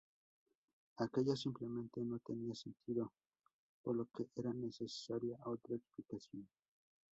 Aquello simplemente no tenía sentido, por lo que era necesaria otra explicación.